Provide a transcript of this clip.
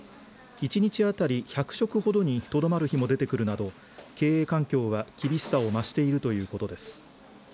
１日当たり１００食ほどにとどまる日も出てくるなど経営環境は厳しさを増しているということです。